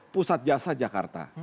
pusat jasa jakarta